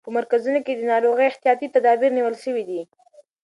په مرکزونو کې د ناروغۍ احتیاطي تدابیر نیول شوي دي.